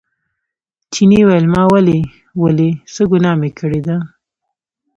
چیني وویل ما ولې ولئ څه ګناه مې کړې ده.